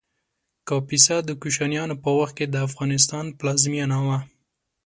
کاپیسا د کوشانیانو په وخت کې د افغانستان پلازمېنه وه